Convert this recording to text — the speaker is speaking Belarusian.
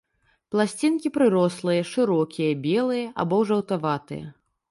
Пласцінкі прырослыя, шырокія, белыя або жаўтаватыя.